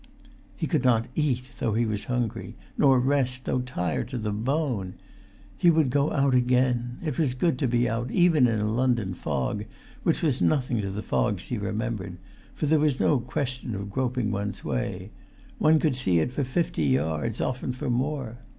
He could not eat, though he was hungry; nor rest, though tired to the bone. He would go out again. It was good to be out, even in a London fog, which was nothing to the fogs he remembered, for there was no question of groping one's way; one could see it for fifty yards, often for more.